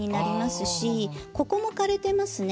ここも枯れてますね。